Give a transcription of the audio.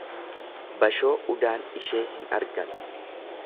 Bashoo udaan ishee hin argan.